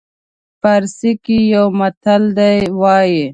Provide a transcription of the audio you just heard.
پارسي کې یو متل دی وایي.